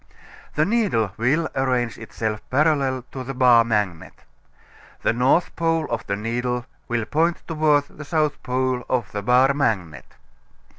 The needle will arrange itself parallel to the bar magnet. The north pole of the needle will point toward the south pole of the bar magnet.